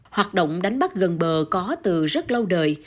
hoạt động đánh bắt gần bờ có từ rất lâu đời